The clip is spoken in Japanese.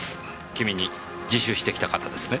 君に自首してきた方ですね？